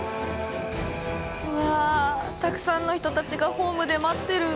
うわあたくさんの人たちがホームで待ってる。